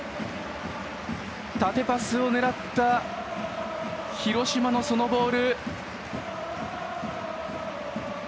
縦パスを狙った広島のボール。